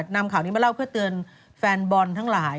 นำข่าวนี้มาเล่าเพื่อเตือนแฟนบอลทั้งหลาย